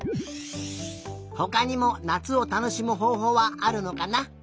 ほかにもなつをたのしむほうほうはあるのかな？